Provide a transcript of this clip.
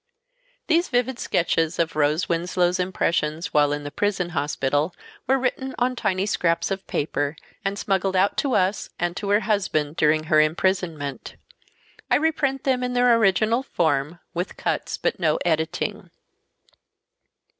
These vivid sketches of Rose Winslow's impressions while in the prison hospital were written on tiny scraps of paper and smuggled out to us, and to her husband during her imprisonment. I reprint them in their original form with cuts but no editing.